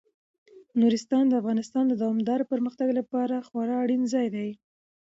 نورستان د افغانستان د دوامداره پرمختګ لپاره خورا اړین ځای دی.